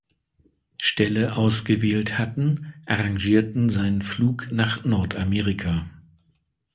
Stelle ausgewählt hatten, arrangierten seinen Flug nach Nordamerika.